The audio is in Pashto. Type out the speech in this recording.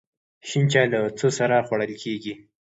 شین چای له څه سره خوړل کیږي؟